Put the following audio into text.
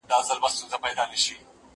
زه به سبا د تکړښت لپاره ولاړم،